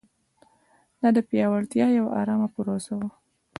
دا د پیاوړتیا یوه ارامه پروسه وه.